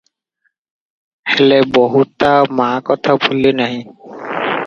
ହେଲେ, ବୋହୂ ତା ମା କଥା ଭୁଲି ନାହିଁ ।